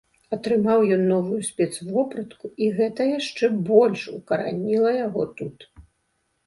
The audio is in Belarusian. Атрымаў ён новую спецвопратку, і гэта яшчэ больш укараніла яго тут.